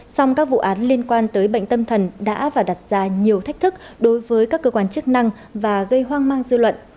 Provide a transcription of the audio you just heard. song các vụ án liên quan tới bệnh tâm thần đã và đặt ra nhiều thách thức đối với các cơ quan chức năng và gây hoang mang dư luận